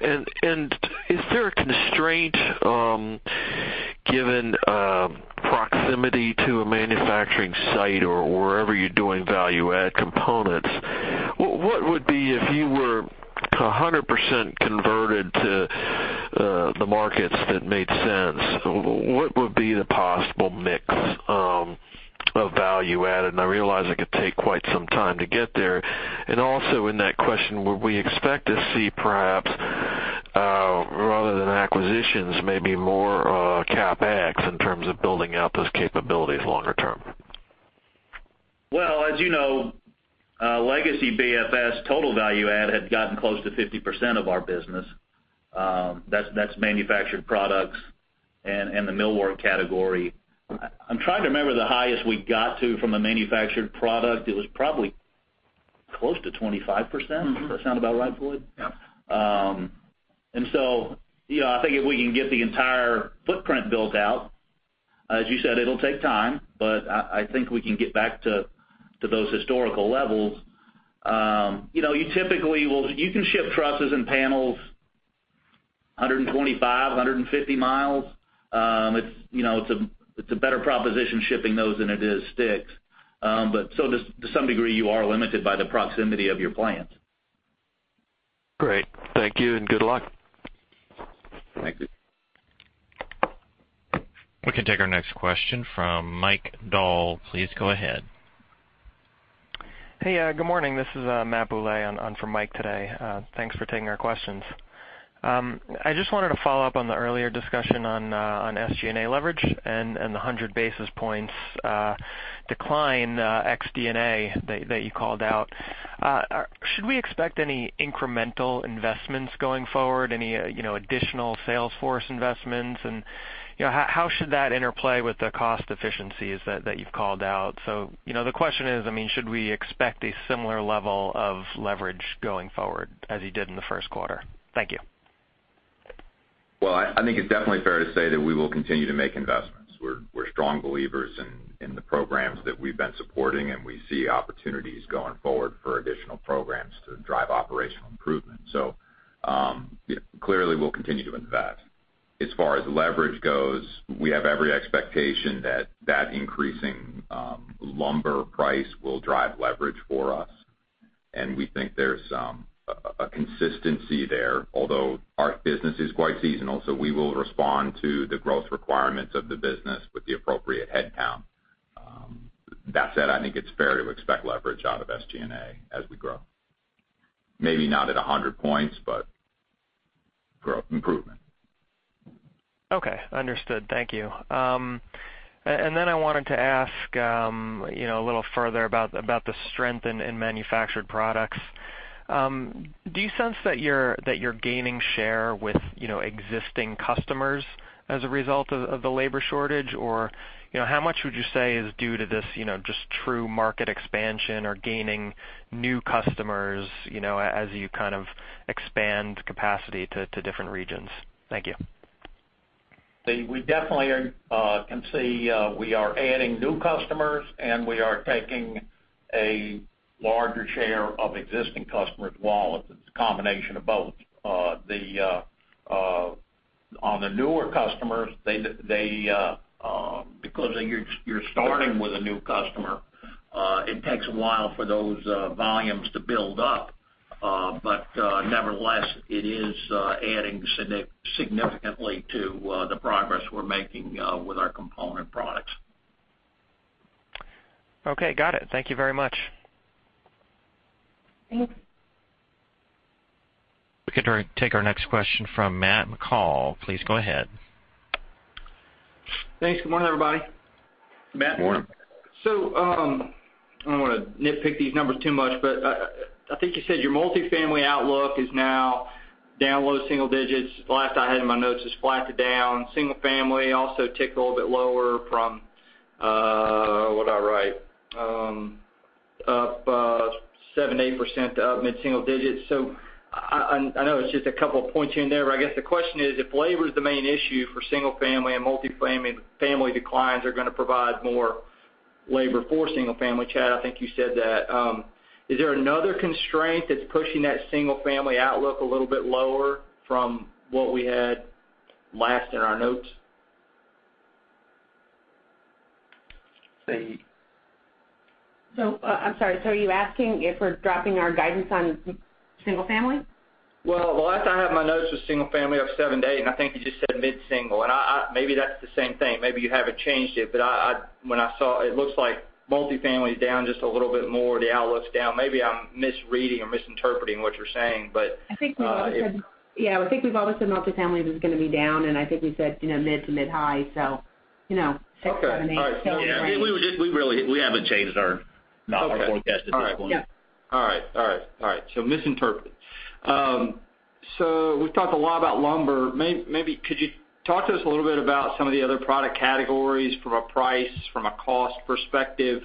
Speaker 11: Is there a constraint given proximity to a manufacturing site or wherever you're doing value add components? What would be if you were 100% converted to the markets that made sense, what would be the possible mix of value add? I realize it could take quite some time to get there. Also in that question, would we expect to see perhaps rather than acquisitions, maybe more CapEx in terms of building out those capabilities longer term?
Speaker 4: Well, as you know, legacy BFS total value add had gotten close to 50% of our business. That's manufactured products and the millwork category. I'm trying to remember the highest we got to from a manufactured product. It was probably close to 25%. Does that sound about right, Floyd?
Speaker 3: Yep.
Speaker 4: You know, I think if we can get the entire footprint built out, as you said, it'll take time, but I think we can get back to those historical levels. You know, you typically will. You can ship trusses and panels 125 mi, 150 mi. It's, you know, it's a better proposition shipping those than it is sticks. To some degree, you are limited by the proximity of your plants.
Speaker 11: Great. Thank you, and good luck.
Speaker 4: Thank you.
Speaker 1: We can take our next question from Mike Dahl. Please go ahead.
Speaker 12: Hey, good morning. This is Matt Bouley on for Mike today. Thanks for taking our questions. I just wanted to follow up on the earlier discussion on SG&A leverage and the 100 basis points decline ex D&A that you called out. Should we expect any incremental investments going forward? Any, you know, additional sales force investments? You know, how should that interplay with the cost efficiencies that you've called out? You know, the question is, I mean, should we expect a similar level of leverage going forward as you did in the first quarter? Thank you.
Speaker 5: I think it's definitely fair to say that we will continue to make investments. We're strong believers in the programs that we've been supporting, and we see opportunities going forward for additional programs to drive operational improvement. Clearly, we'll continue to invest. As far as leverage goes, we have every expectation that increasing lumber price will drive leverage for us, and we think there's a consistency there. Although our business is quite seasonal, we will respond to the growth requirements of the business with the appropriate headcount. That said, I think it's fair to expect leverage out of SG&A as we grow. Maybe not at 100 points, but growth improvement.
Speaker 12: Okay. Understood. Thank you. Then I wanted to ask, you know, a little further about the strength in manufactured products. Do you sense that you're gaining share with, you know, existing customers as a result of the labor shortage? How much would you say is due to this, you know, just true market expansion or gaining new customers, you know, as you kind of expand capacity to different regions? Thank you.
Speaker 3: We definitely are, can see, we are adding new customers, and we are taking a larger share of existing customers' wallets. It's a combination of both. They, on the newer customers, they, because you're starting with a new customer, it takes a while for those volumes to build up. Nevertheless, it is adding significantly to the progress we're making with our component products.
Speaker 12: Okay. Got it. Thank you very much.
Speaker 3: Thanks.
Speaker 1: We can take our next question from Matt McCall. Please go ahead.
Speaker 13: Thanks. Good morning, everybody.
Speaker 4: Matt.
Speaker 5: Morning.
Speaker 13: I don't want to nitpick these numbers too much, but I think you said your multifamily outlook is now down low single digits. The last I had in my notes is flat to down. Single family also ticked a little bit lower from what'd I write? 7%-8% up, mid-single digits. I know it's just a couple points here and there, but I guess the question is: If labor is the main issue for single family and multifamily declines are going to provide more labor for single family, Chad, I think you said that, is there another constraint that's pushing that single family outlook a little bit lower from what we had last in our notes? The-
Speaker 2: I'm sorry. Are you asking if we're dropping our guidance on single family?
Speaker 13: Well, the last I have in my notes was single family up 7%-8%. I think you just said mid-single. Maybe that's the same thing. Maybe you haven't changed it. When I saw it looks like multifamily is down just a little bit more, the outlook's down. Maybe I'm misreading or misinterpreting what you're saying.
Speaker 2: I think we've always said multifamily was going to be down, I think we said, you know, mid to mid-high. You know, 6%, 7%, 8%.
Speaker 13: Okay. All right.
Speaker 4: Anyway. Yeah, we really haven't changed our, not our forecast at this point.
Speaker 13: Okay. All right.
Speaker 2: Yeah.
Speaker 13: All right. All right. All right. Misinterpreted. We've talked a lot about lumber. Maybe could you talk to us a little bit about some of the other product categories from a price, from a cost perspective,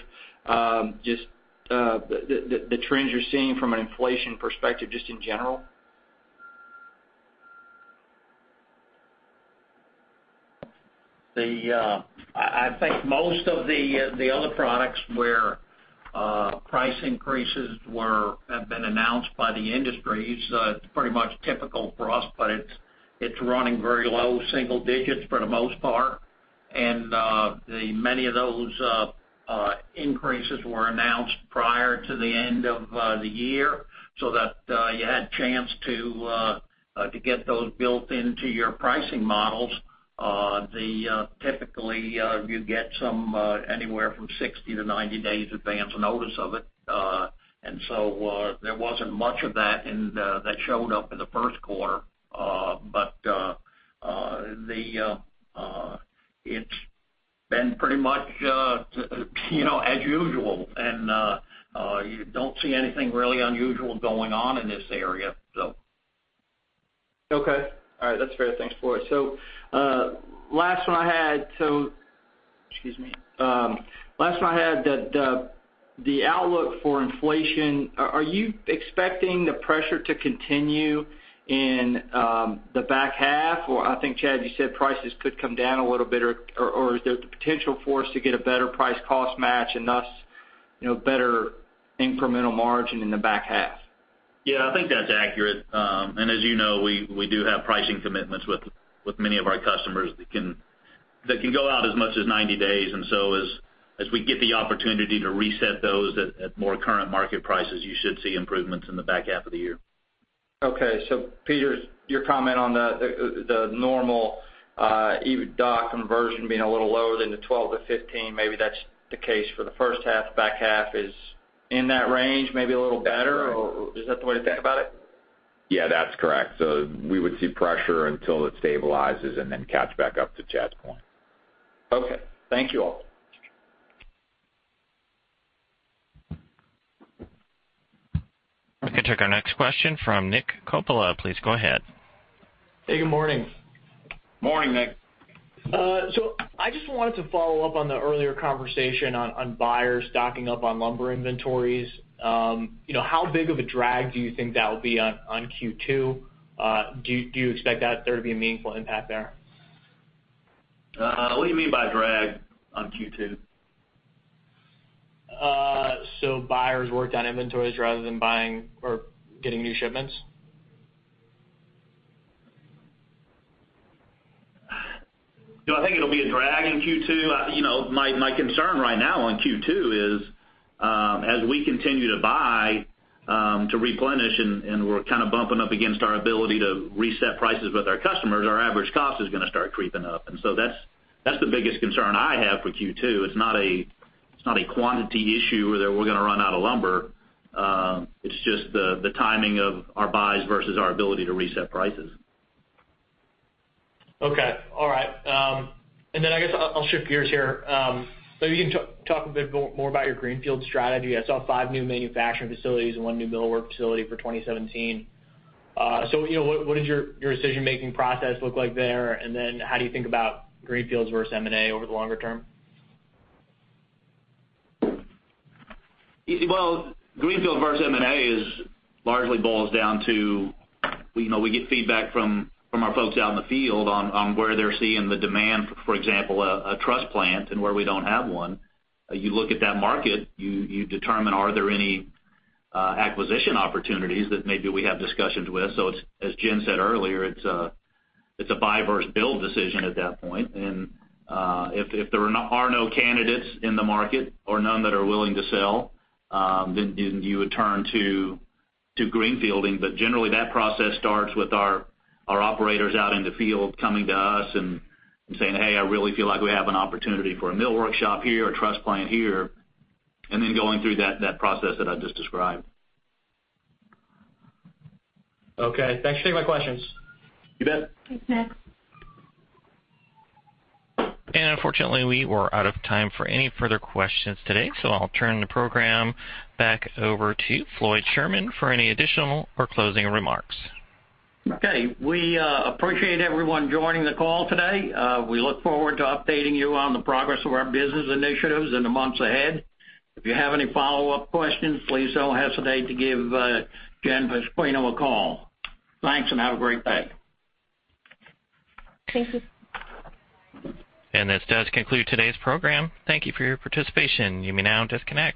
Speaker 13: just the trends you're seeing from an inflation perspective just in general?
Speaker 3: I think most of the other products where price increases were have been announced by the industries, it's pretty much typical for us, but it's running very low single digits for the most part. Many of those increases were announced prior to the end of the year so that you had chance to get those built into your pricing models. Typically, you get some anywhere from 60-90 days advance notice of it. There wasn't much of that that showed up in the first quarter. It's been pretty much, you know, as usual. You don't see anything really unusual going on in this area.
Speaker 13: Okay. All right, that's fair. Thanks, Floyd. Last one I had. Excuse me. Last one I had, the outlook for inflation, are you expecting the pressure to continue in the back half? I think, Chad, you said prices could come down a little bit or is there the potential for us to get a better price cost match and thus, you know, better incremental margin in the back half?
Speaker 4: Yeah, I think that's accurate. As you know, we do have pricing commitments with many of our customers that can go out as much as 90 days. As we get the opportunity to reset those at more current market prices, you should see improvements in the back half of the year.
Speaker 13: Okay. Peter, your comment on the normal EBITDA conversion being a little lower than the 12%-15%, maybe that's the case for the first half. Back half is in that range, maybe a little better, or is that the way to think about it?
Speaker 5: Yeah, that's correct. We would see pressure until it stabilizes and then catch back up to Chad's point.
Speaker 13: Okay. Thank you all.
Speaker 1: We can take our next question from Nick Coppola. Please go ahead.
Speaker 14: Hey, good morning.
Speaker 4: Morning, Nick.
Speaker 14: I just wanted to follow up on the earlier conversation on buyers stocking up on lumber inventories. You know, how big of a drag do you think that will be on Q2? Do you expect that there to be a meaningful impact there?
Speaker 4: What do you mean by drag on Q2?
Speaker 14: Buyers worked on inventories rather than buying or getting new shipments.
Speaker 4: Do I think it'll be a drag in Q2? You know, my concern right now on Q2 is, as we continue to buy to replenish and we're kind of bumping up against our ability to reset prices with our customers, our average cost is gonna start creeping up. That's the biggest concern I have for Q2. It's not a quantity issue where we're gonna run out of lumber. It's just the timing of our buys versus our ability to reset prices.
Speaker 14: Okay. All right. Then I guess I'll shift gears here. Maybe you can talk a bit more about your greenfield strategy. I saw five new manufacturing facilities and one new millwork facility for 2017. You know, what does your decision-making process look like there? Then how do you think about greenfields versus M&A over the longer term?
Speaker 4: Well, greenfield versus M&A is largely boils down to, you know, we get feedback from our folks out in the field on where they're seeing the demand, for example, a truss plant and where we don't have one. You look at that market, you determine are there any acquisition opportunities that maybe we have discussions with. It's, as Jen said earlier, it's a buy versus build decision at that point. If there are no candidates in the market or none that are willing to sell, then you would turn to greenfielding. Generally, that process starts with our operators out in the field coming to us and saying, "Hey, I really feel like we have an opportunity for a millwork shop here or a truss plant here." Then going through that process that I just described.
Speaker 14: Okay. Thanks for taking my questions.
Speaker 4: You bet.
Speaker 2: Thanks, Nick.
Speaker 1: Unfortunately, we were out of time for any further questions today. I'll turn the program back over to Floyd Sherman for any additional or closing remarks.
Speaker 3: Okay. We appreciate everyone joining the call today. We look forward to updating you on the progress of our business initiatives in the months ahead. If you have any follow-up questions, please don't hesitate to give Jen Pasquino a call. Thanks. Have a great day.
Speaker 2: Thank you.
Speaker 1: This does conclude today's program. Thank you for your participation. You may now disconnect.